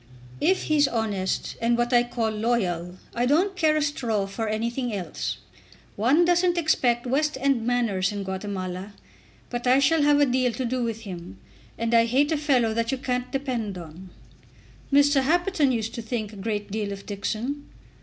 "If he's honest, and what I call loyal, I don't care a straw for anything else. One doesn't expect West end manners in Guatemala. But I shall have a deal to do with him, and I hate a fellow that you can't depend on." "Mr. Happerton used to think a great deal of Dixon."